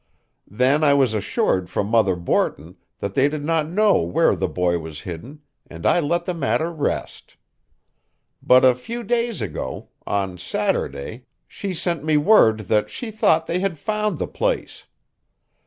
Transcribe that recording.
Then I was assured from Mother Borton that they did not know where the boy was hidden, and I let the matter rest. But a few days ago on Saturday she sent me word that she thought they had found the place.